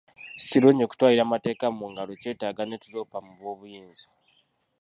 Si kirungi kutwalira mateeka mu ngalo kyetaaga ne tuloopa mu b'obuyinza.